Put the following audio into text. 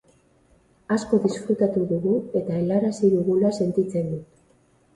Asko disfrutatu dugu, eta helarazi dugula sentitzen dut.